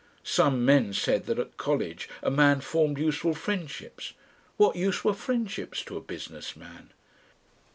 Some men said that at college a man formed useful friendships. What use were friendships to a business man?